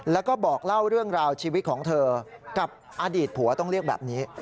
แล้วก็บอกเล่าเรื่องราวชีวิตของเธอกับอดีตผัวต้องเรียกแบบนี้